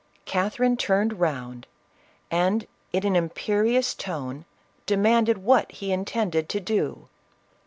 Catherine turned round, and, in an imperious tone, de manded what he intended to do.